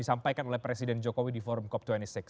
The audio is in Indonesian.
disampaikan oleh presiden jokowi di forum cop dua puluh enam